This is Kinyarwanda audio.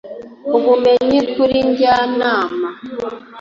Ubumenyi kuri Njyanama